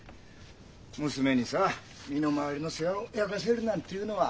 娘にさ身の回りの世話を焼かせるなんていうのは。